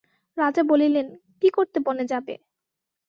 রাজা বলিলেন, কী করতে বনে যাবে?